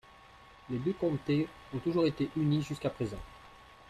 Les deux comtés ont toujours été unis jusqu'à présent.